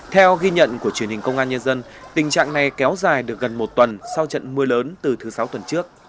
theo ghi nhận của truyền hình công an nhân dân tình trạng này kéo dài được gần một tuần sau trận mưa lớn từ thứ sáu tuần trước